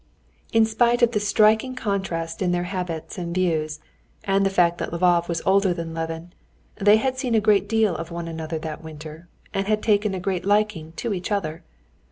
In spite of the striking contrast in their habits and views and the fact that Lvov was older than Levin, they had seen a great deal of one another that winter, and had taken a great liking to each other.